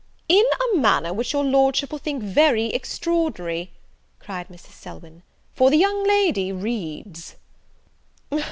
"In a manner which your Lordship will think very extraordinary," cried Mrs. Selwyn, "for the young lady reads."